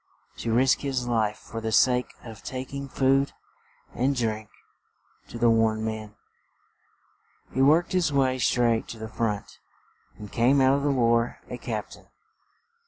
To risk his life for the sake of tak ing food and drink to the worn men. He worked his way straight to the front and came out of the war a cap tain.